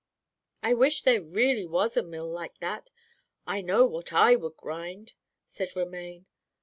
"I wish there really was a mill like that; I know what I would grind," said Romaine.